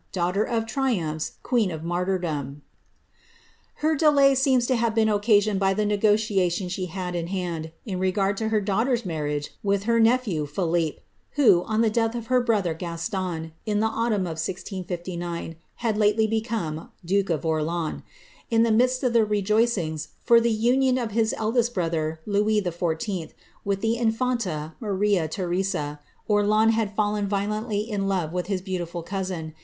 Daughter of triumphs, queen of martyrdom I" Her delay seems to have been occasioned by the negotiation she had in hand, in regard to her daughter's marriage with her nephew Philippe, who, by the death of her brother Gaston, in the autumn of 1699, hid lately become duke of Orleans. In the midst of the rejoicings for tbo union of his eldest brother, Louis XIV., with the infanta, Maria Therea, Orleans had fallen violently in love with his beautiful cousin.